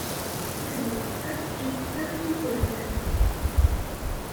Adlis-a iwuta i yigerdan.